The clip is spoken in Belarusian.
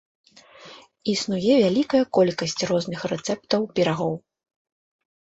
Існуе вялікая колькасць розных рэцэптаў пірагоў.